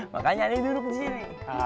makanya aneh duduk disini